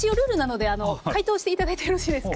では解説していただいてもよろしいですか？